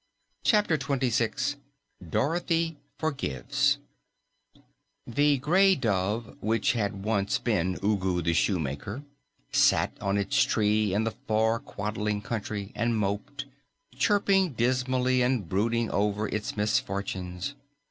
CHAPTER 26 DOROTHY FORGIVES The gray dove which had once been Ugu the Shoemaker sat on its tree in the far Quadling Country and moped, chirping dismally and brooding over its misfortunes.